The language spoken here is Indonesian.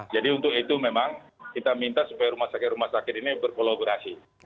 jadi untuk itu memang kita minta supaya rumah sakit rumah sakit ini berkolaborasi